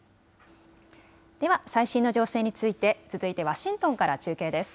では最新の情勢について続いてワシントンから中継です。